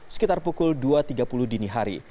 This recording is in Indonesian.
sekitar pukul dua tiga puluh dini hari